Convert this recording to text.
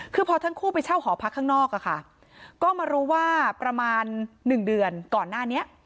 คือพอทั้งคู่ไปเช่าหอพักข้างนอกอะค่ะก็มารู้ว่าประมาณ๑เดือนก่อนหน้านี้